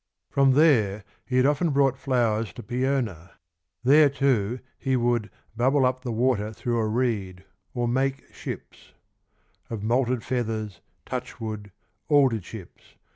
From there he had often brought flowers to Peona ; there, too, he would " bubble up the water through a reed," or make ships Of moulted feathers, touchwood, alder chips.